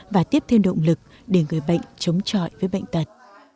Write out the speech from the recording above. và tiếp thêm động lực để người bệnh chống chọi với bệnh tật